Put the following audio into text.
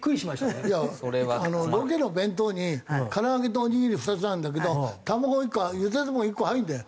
いやロケの弁当に唐揚げとおにぎり２つあるんだけど卵１個ゆで卵１個入るんだよ。